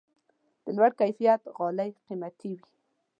د لوړ کیفیت غالۍ قیمتي وي.